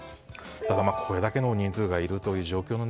ただこれだけの人数がいる状況で